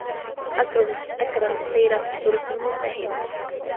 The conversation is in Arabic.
أَكْرَهُ السَّيْرَ فِي الطُرقِ الْمُزْدَحِمَةِ.